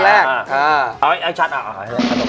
ไอ้ไข่หลับ